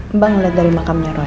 mbak ngeliat dari makamnya roy